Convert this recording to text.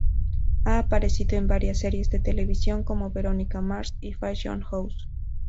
Ha aparecido en varias series de televisión, como "Veronica Mars" y "Fashion House".